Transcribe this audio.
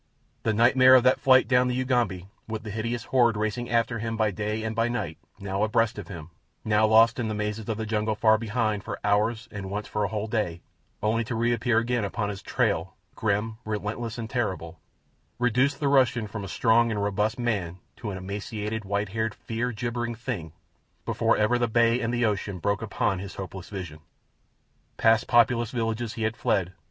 The nightmare of that flight down the Ugambi with the hideous horde racing after him by day and by night, now abreast of him, now lost in the mazes of the jungle far behind for hours and once for a whole day, only to reappear again upon his trail grim, relentless, and terrible, reduced the Russian from a strong and robust man to an emaciated, white haired, fear gibbering thing before ever the bay and the ocean broke upon his hopeless vision. Past populous villages he had fled.